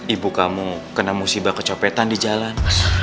ibu kamu kena musibah kecopetan di jalan